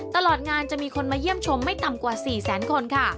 ตลอดงานจะมีคนมาเยี่ยมชมไม่ต่ำกว่า๔แสนคนค่ะ